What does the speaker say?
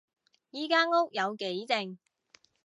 依間屋有幾靜